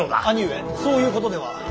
兄上そういうことでは。